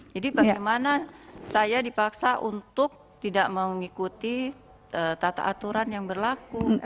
jadi bagaimana saya dipaksa untuk tidak mengikuti tata aturan yang berlaku